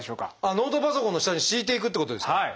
ノートパソコンの下に敷いていくっていうことですか。